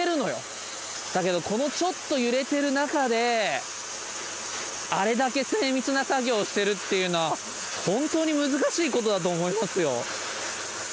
だけどこのちょっと揺れてる中であれだけ精密な作業をしてるというのは本当に難しいことだと思いますよ。